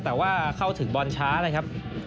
แต่ว่าเข้าถึงบอลช้านะครับ